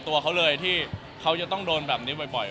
ตัวเขาเลยที่เขาจะต้องโดนแบบนี้บ่อย